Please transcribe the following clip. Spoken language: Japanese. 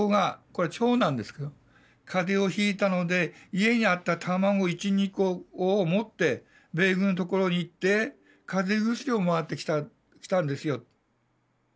これは長男ですけど「カゼをひいたので家にあった卵１２個を持って米軍のところに行ってカゼ薬をもらってきたんですよ」。